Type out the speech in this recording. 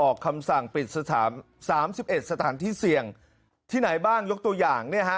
คำสั่งปิดสถานสามสิบเอ็ดสถานที่เสี่ยงที่ไหนบ้างยกตัวอย่างเนี่ยฮะ